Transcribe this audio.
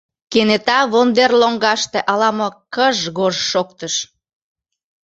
Кенета вондер лоҥгаште ала-мо кыж-гож шоктыш.